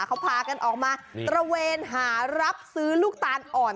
เขาพากันออกมาตระเวนหารับซื้อลูกตาลอ่อน